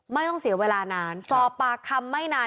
ไม่ต้องเสียเวลานานสอบปากคำไม่นาน